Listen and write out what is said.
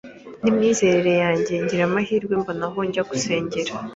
n’imyizerere yanjye, ngira amahirwe mbona aho njya gusengera